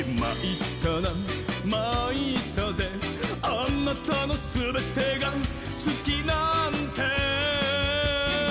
「あなたのすべてがすきなんて」